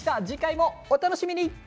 次回もお楽しみに！